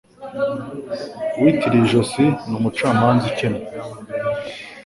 Uwiyitiriye ijosi ni umucamanza ukennye